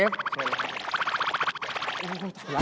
จดแล้ว